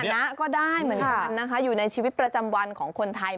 นะก็ได้เหมือนกันนะคะอยู่ในชีวิตประจำวันของคนไทย